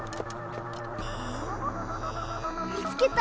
見つけた！